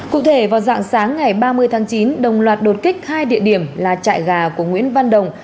cụ thể vào dạng sáng ngày ba mươi tháng chín đồng loạt đột kích hai địa điểm là trại gà của nguyễn văn đồng